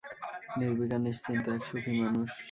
নির্বিকার নিশ্চিন্ত এক সুখী মানুষ।